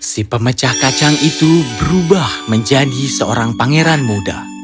si pemecah kacang itu berubah menjadi seorang pangeran muda